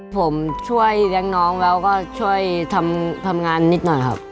ผมช่วยเลี้ยงน้องแล้วก็ช่วยทำงานนิดหน่อยครับ